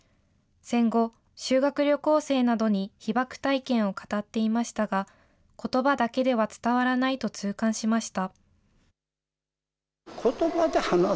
戦後、修学旅行生などに被爆体験を語っていましたが、ことばだけでは伝わらないと痛感しました。